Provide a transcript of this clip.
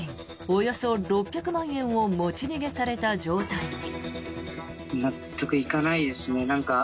およそ６００万円を持ち逃げされた状態に。